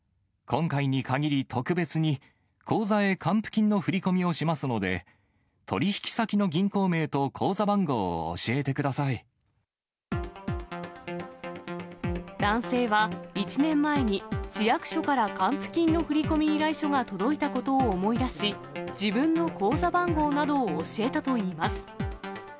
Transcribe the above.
今回にかぎり、特別に口座へ還付金の振り込みをしますので、取り引き先の銀行名男性は、１年前に市役所から還付金の振込依頼書が届いたことを思い出し、自分の口座番号などを教えたといいます。